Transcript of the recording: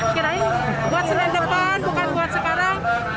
kirain buat senin depan bukan buat sekarang